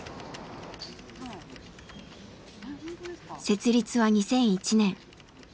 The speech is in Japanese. ☎設立は２００１年。